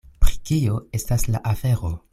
Pri kio estas la afero?